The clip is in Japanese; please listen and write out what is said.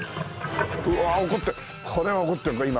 うわ怒ってこれは怒ってるから。